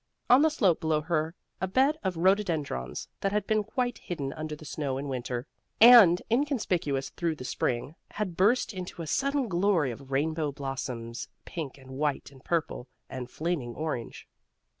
On the slope below her a bed of rhododendrons that had been quite hidden under the snow in winter, and inconspicuous through the spring, had burst into a sudden glory of rainbow blossoms pink and white and purple and flaming orange.